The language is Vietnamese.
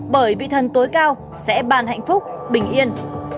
bởi vị thần tối cao sẽ bàn hạnh phúc bình yên